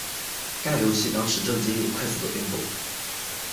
该游戏当时正经历快速的变动。